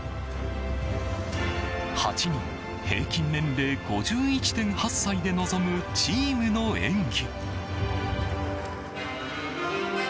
８人、平均年齢５１．８歳で臨むチームの演技。